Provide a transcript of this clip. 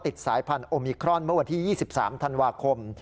สายพันธ์โอมิครอนเมื่อวันที่๒๓ธันวาคม